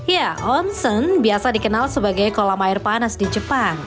ya onsen biasa dikenal sebagai kolam air panas di jepang